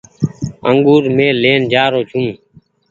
انگور مين لين جآ رو ڇو۔